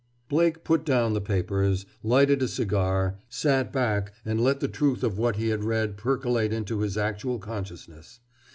Blake put down the papers, lighted a cigar, sat back, and let the truth of what he had read percolate into his actual consciousness.